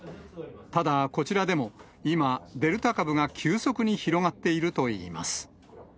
ただ、こちらでも今、デルタ株が急速に広がっているといいます。